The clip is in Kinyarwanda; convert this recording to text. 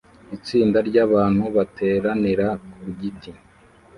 Itsinda ryabantu bateranira ku giti